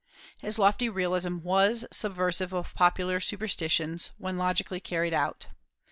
His lofty realism was subversive of popular superstitions, when logically carried out.